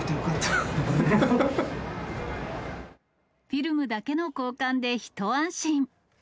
フィルムだけの交換で一安心。